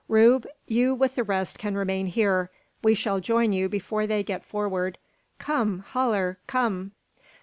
Rube! you with the rest can remain here. We shall join you before they get forward. Come, Haller! come!"